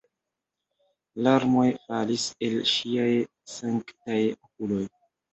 Larmoj falis el ŝiaj sanktaj okuloj.